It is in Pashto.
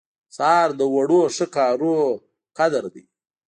سهار د وړو ښه کارونو قدر دی.